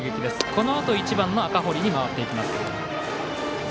このあと１番の赤堀に回ってきます。